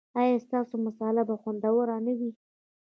ایا ستاسو مصاله به خوندوره نه وي؟